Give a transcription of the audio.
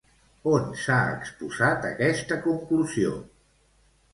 On s'ha exposat aquesta conclusió?